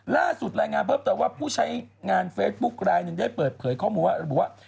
ล่าสุดรายงานพบว่าผู้ใช้งานเฟซบุ๊คลายนึงได้เปิดเผยข้อมูลว่า